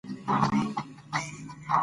افغانستان په لوگر باندې تکیه لري.